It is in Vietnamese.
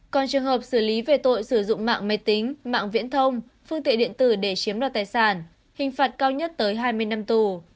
còn trường hợp xử lý về tội sử dụng mạng máy tính mạng viễn thông phương tiện điện tử để chiếm đoạt tài sản hình phạt cao nhất tới hai mươi năm tù